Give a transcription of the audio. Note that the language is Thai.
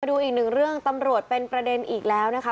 ดูอีกหนึ่งเรื่องตำรวจเป็นประเด็นอีกแล้วนะคะ